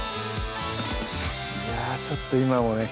いやぁちょっと今もね